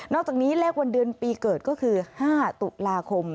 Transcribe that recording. อกจากนี้เลขวันเดือนปีเกิดก็คือ๕ตุลาคม